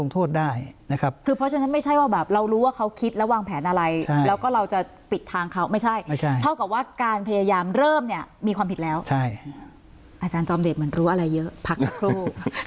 เท่ากับว่าการพยายามเริ่มมีความผิดแล้วอาจารย์จอมเดชน์เหมือนรู้อะไรเยอะพักสักครู่